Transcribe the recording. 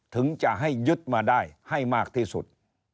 ถึงจะให้ยึดมาได้ให้มากที่สุด